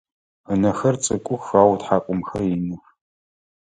Ынэхэр цӏыкӏух ау ытхьакӏумэхэр иных.